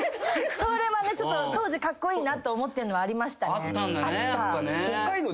それはね当時カッコイイなって思ってんのはありましたね。